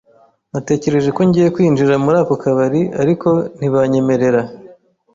Natekereje ko ngiye kwinjira muri ako kabari, ariko ntibanyemerera.